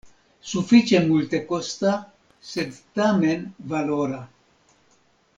Sufiĉe multekosta sed tamen valora.